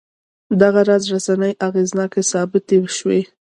دغه راز رسنۍ اغېزناکې ثابتې شوې.